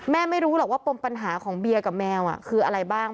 ไม่รู้หรอกว่าปมปัญหาของเบียร์กับแมวคืออะไรบ้าง